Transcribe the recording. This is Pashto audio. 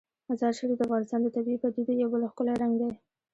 مزارشریف د افغانستان د طبیعي پدیدو یو بل ښکلی رنګ دی.